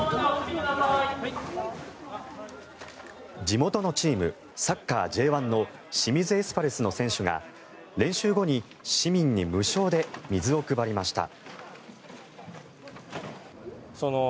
地元のチームサッカーＪ１の清水エスパルスの選手が練習後に市民に無償で水を配りました。